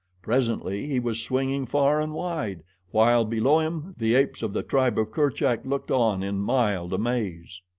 Presently he was swinging far and wide, while below him, the apes of the tribe of Kerchak looked on in mild amaze.